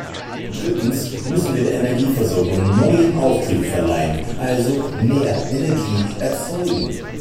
Drittens müssen wir der Energieversorgung neuen Auftrieb verleihen, also mehr Energie erzeugen.